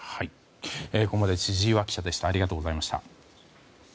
ここまで千々岩記者でしたありがとうございました。